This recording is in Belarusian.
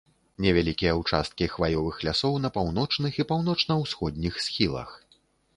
Невялікія ўчасткі хваёвых лясоў на паўночных і паўночна-ўсходніх схілах.